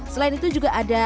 selain itu juga ada